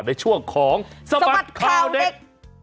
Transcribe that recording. ในช่วงของสบัดข่าวเด็ก